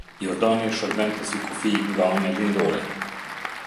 Jordani shërbente si kufi nga ana lindore.